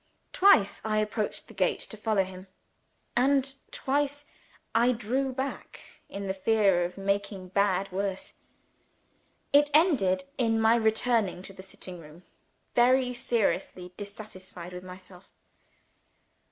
Twice I approached the gate to follow him. And twice I drew back, in the fear of making bad worse. It ended in my returning to the sitting room, very seriously dissatisfied with myself.